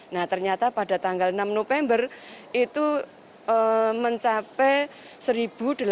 nah ternyata pada tanggal enam november itu mencapai seribu delapan ratus enam puluh tujuh